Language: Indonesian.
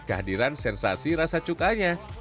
kehadiran sensasi rasa cukanya